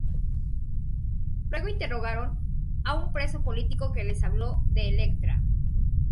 Luego interrogaron a un preso político que les habló de Elektra.